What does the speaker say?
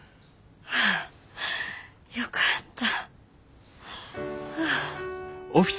あぁよかった。